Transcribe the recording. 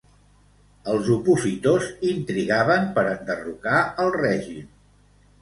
Els opositors intrigaven per enderrocar el règim.